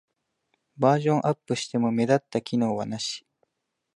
バージョンアップしても目立った機能はなし